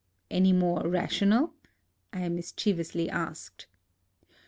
" Any more rational ?" I mischievously asked.